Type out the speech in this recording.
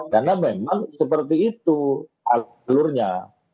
karena memang seperti itu alurnya